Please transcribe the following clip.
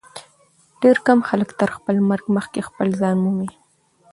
ډېر کم خلک تر خپل مرګ مخکي خپل ځان مومي.